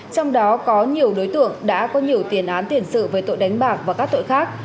trong đó có nhiều đối tượng đã có nhiều tiền án tiền sự về tội đánh bạc và các tội khác